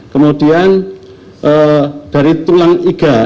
kemudian dari tulang iga